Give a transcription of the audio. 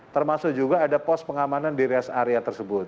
termasuk juga ada pos pengamanan di rest area tersebut